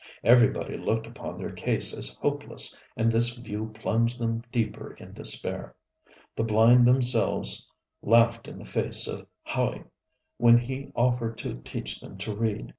Everybody looked upon their case as hopeless, and this view plunged them deeper in despair. The blind themselves laughed in the face of Ha├╝y when he offered to teach them to read.